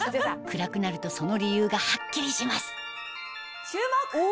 暗くなるとその理由がハッキリします注目！